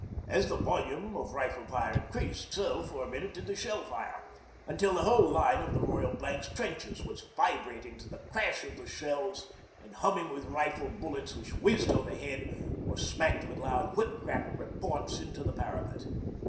As the volume of rifle fire increased, so, for a minute, did the shell fire, until the whole line of the Royal Blanks' trenches was vibrating to the crash of the shells and humming with rifle bullets which whizzed overhead or smacked with loud whip crack reports into the parapet.